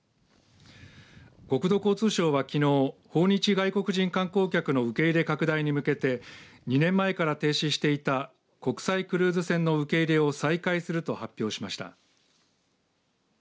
国土交通省は、きのう訪日外国人観光客の受け入れ拡大に向けて２年前から停止していた国際クルーズ船の受け入れを再開すると発表しました。